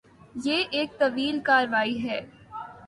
یہ ایک طویل کارروائی ہے۔